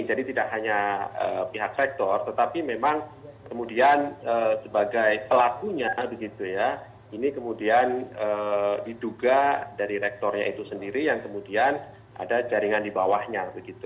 jadi tidak hanya pihak rektor tetapi memang kemudian sebagai pelakunya ini kemudian diduga dari rektornya itu sendiri yang kemudian ada jaringan di bawahnya